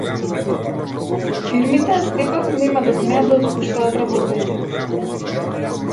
Фирмите сепак нема да смеат да отпуштаат работници